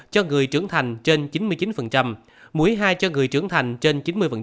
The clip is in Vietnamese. cho người trưởng thành trên chín mươi chín mũi hai cho người trưởng thành trên chín mươi